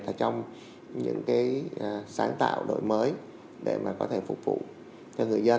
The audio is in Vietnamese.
là trong những cái sáng tạo đổi mới để mà có thể phục vụ cho người dân